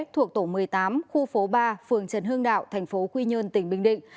thuộc tổ một mươi tám khu phố ba phường trần hương đạo thành phố quy nhơn tỉnh bình định